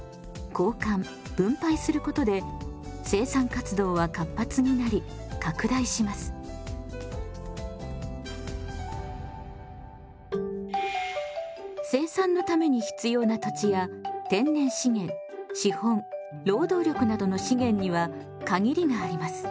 私たちは収入を得るために労働し生産のために必要な土地や天然資源資本労働力などの資源には限りがあります。